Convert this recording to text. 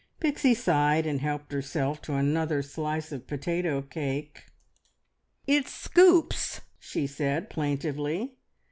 Pixie sighed, and helped herself to another slice of potato cake. "It scoops!" she said plaintively.